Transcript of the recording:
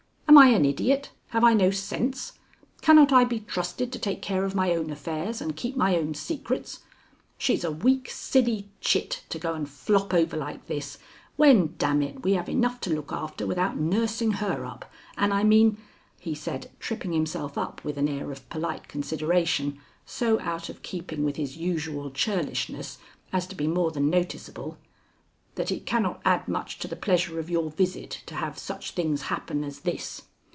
Am I an idiot? Have I no sense? Cannot I be trusted to take care of my own affairs and keep my own secrets? She's a weak, silly chit, to go and flop over like this when, d n it, we have enough to look after without nursing her up and I mean," he said, tripping himself up with an air of polite consideration so out of keeping with his usual churlishness as to be more than noticeable, "that it cannot add much to the pleasure of your visit to have such things happen as this."